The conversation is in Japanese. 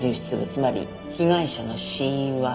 つまり被害者の死因は。